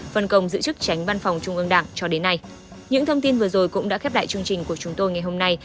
phần công giữ chức tránh văn phòng trung ương đảng cho đến nay